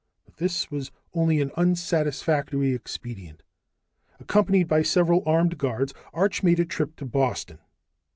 But this was only an unsatisfactory expedient. Accompanied by several armed guards, Arch made a trip to Boston.